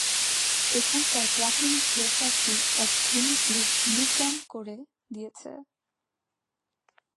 এখানকার প্রাচীন থিয়েটারটি এক ধনী গ্রীক নূতন করে দিয়েছে।